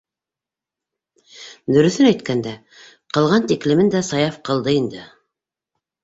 Дөрөҫөн әйткәндә, ҡылған тиклемен дә Саяф ҡылды инде.